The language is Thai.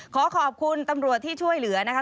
ขอขอบคุณตำรวจที่ช่วยเหลือนะคะ